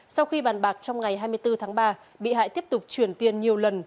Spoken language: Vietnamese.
sau khi bàn bạc trong ngày hai mươi bốn tháng ba bị hại tiếp tục chuyển tiền nhiều lần